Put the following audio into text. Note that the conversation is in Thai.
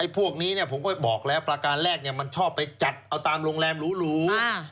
พวกนี้ผมก็บอกแล้วประการแรกมันชอบไปจัดเอาตามโรงแรมหรู